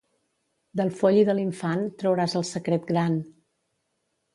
Del foll i de l'infant trauràs el secret gran.